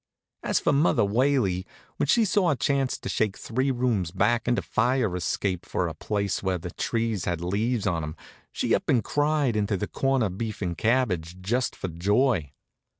As for Mother Whaley, when she saw a chance to shake three rooms back and a fire escape for a place where the trees has leaves on 'em, she up and cried into the corned beef and cabbage, just for joy.